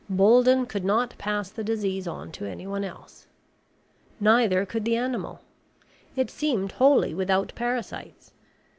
Bolden could not pass the disease on to anyone else. Neither could the animal. It seemed wholly without parasites.